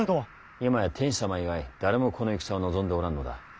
今や天子様以外誰もこの戦を望んでおらぬのだ。